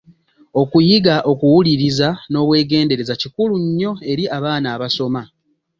Okuyiga okuwulirirza n’obwegendereza kikulu nnyo eri abaana abasoma.